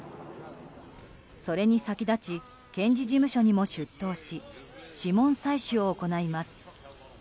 それに先立ち検事事務所にも出頭し指紋採取を行います。